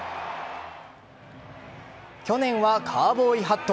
去年はカウボーイハット。